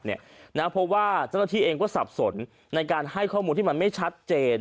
เพราะว่าเจ้าหน้าที่เองก็สับสนในการให้ข้อมูลที่มันไม่ชัดเจน